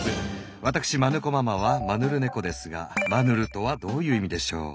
わたくしマヌ子ママはマヌルネコですが「マヌル」とはどういう意味でしょう？